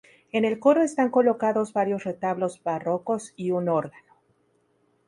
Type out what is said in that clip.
En el coro están colocados varios retablos barrocos y un órgano.